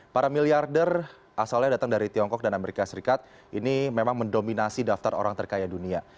para miliarder asalnya datang dari tiongkok dan amerika serikat ini memang mendominasi daftar orang terkaya dunia